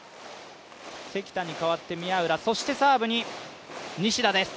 関田に代わって宮浦そしてサーブに西田です。